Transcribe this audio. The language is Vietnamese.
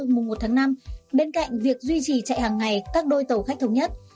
mùng một tháng năm bên cạnh việc duy trì chạy hàng ngày các đôi tàu khách thống nhất